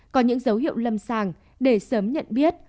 có những dấu hiệu lâm sàng để sớm nhận biết